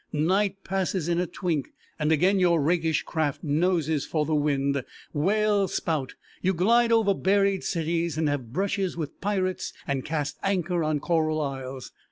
Night passes in a twink, and again your rakish craft noses for the wind, whales spout, you glide over buried cities, and have brushes with pirates and cast anchor on coral isles.